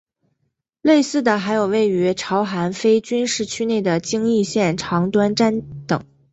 类似的还有位于朝韩非军事区内的京义线长湍站等。